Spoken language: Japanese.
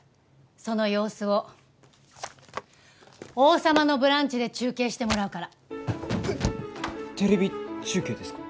その様子を「王様のブランチ」で中継してもらうからテレビ中継ですか？